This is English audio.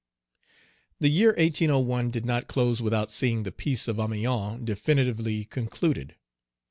THE year 1801 did not close without seeing the peace of Amiens definitively concluded.